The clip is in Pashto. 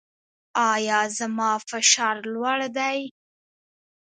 ایا زما فشار لوړ دی؟